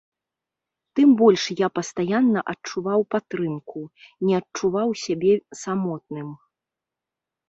Тым больш я пастаянна адчуваў падтрымку, не адчуваў сябе самотным.